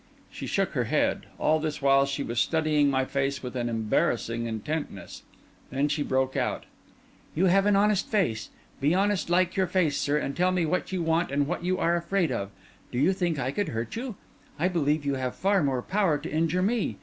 She shook her head. All this while she was studying my face with an embarrassing intentness. Then she broke out— "You have an honest face. Be honest like your face, sir, and tell me what you want and what you are afraid of. Do you think I could hurt you? I believe you have far more power to injure me!